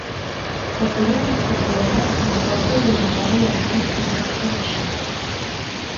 Capella rectangular amb porta orientada a llevant amb arc rebaixat.